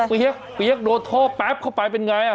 เปี๊ยกเปี๊ยกโดนท่อแป๊บเข้าไปเป็นไง